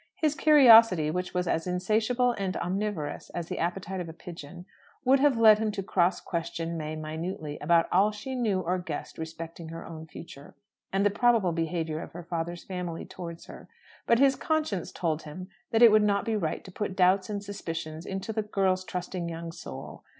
His curiosity, which was as insatiable and omnivorous as the appetite of a pigeon, would have led him to cross question May minutely about all she knew or guessed respecting her own future, and the probable behaviour of her father's family towards her; but his conscience told him that it would not be right to put doubts and suspicions into the girl's trusting young soul.